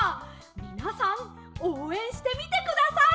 みなさんおうえんしてみてください。